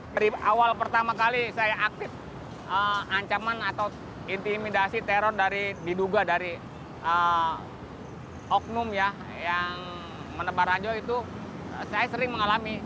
dari awal pertama kali saya aktif ancaman atau intimidasi teror dari diduga dari oknum ya yang menebar ranjau itu saya sering mengalami